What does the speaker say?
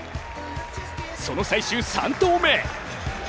その最終３投目。